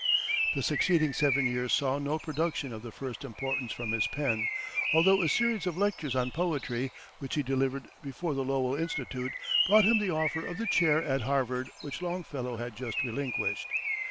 The succeeding seven years saw no production of the first importance from his pen, although a series of lectures on poetry, which he delivered before the Lowell Institute, brought him the offer of the chair at Harvard which Longfellow had just relinquished.